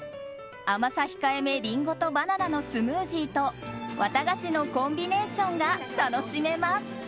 甘さ控えめリンゴとバナナのスムージーと綿菓子のコンビネーションが楽しめます。